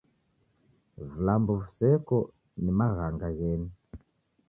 Vilambo viseko ni maghanga gheni.